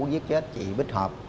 giết chết chị bích hợp